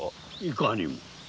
いかにも。